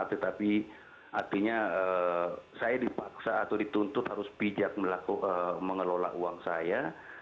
tetapi artinya saya dipaksa atau dituntut harus bijak mengelola uang saya